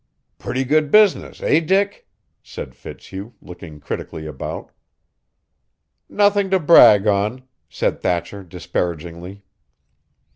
"Pretty good business, eh, Dick?" said Fitzhugh, looking critically about. "Nothin' to brag on," said Thatcher disparagingly.